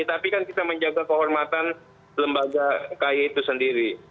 tapi kan kita menjaga kehormatan lembaga kay itu sendiri